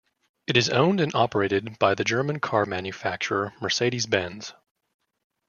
It is owned and operated by the German car manufacturer Mercedes-Benz.